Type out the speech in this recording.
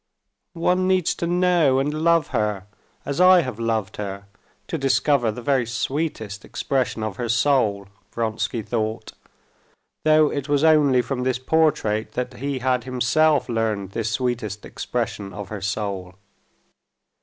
"One needs to know and love her as I have loved her to discover the very sweetest expression of her soul," Vronsky thought, though it was only from this portrait that he had himself learned this sweetest expression of her soul.